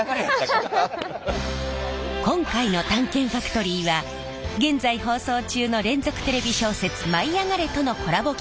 今回の「探検ファクトリー」は現在放送中の連続テレビ小説「舞いあがれ！」とのコラボ